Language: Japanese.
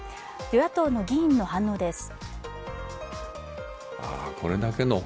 与野党の議員の反応です。